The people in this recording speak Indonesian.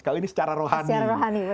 kalau ini secara rohani